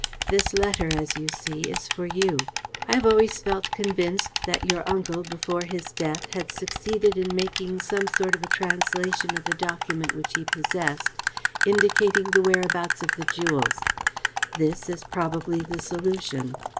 This letter, as you see, is for you. I have always felt convinced that your uncle, before his death, had succeeded in making some sort of a translation of the document which he possessed, indicating the whereabouts of the jewels. This is probably the solution."